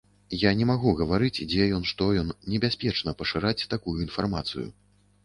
Я не магу гаварыць, дзе ён, што ён, небяспечна пашыраць такую інфармацыю.